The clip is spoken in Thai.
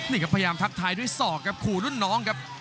นี่ครับพยายามทักทายด้วยศอกครับขู่รุ่นน้องครับ